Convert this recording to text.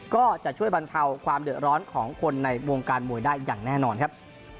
ก็จะช่วยบรรเทาความเดือดร้อนของคนในวงการมวยได้อย่างแน่นอนครับ